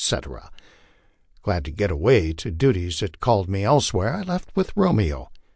Glad to get away to duties that called me else where, I left with Romeo.